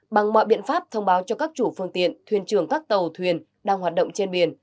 bằng mọi biện pháp thông báo cho các chủ phương tiện thuyền trường các tàu thuyền đang hoạt động trên biển